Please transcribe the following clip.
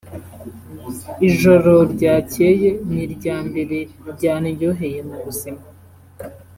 Ijoror ryakeye ni irya mbere ryandyoheye mu buzima